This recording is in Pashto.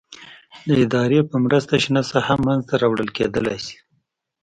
د ادارې په مرسته شنه ساحه منځته راوړل کېدلای شي.